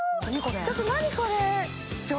ちょっと何これ？